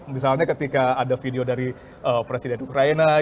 misalnya ketika ada video dari presiden ukraina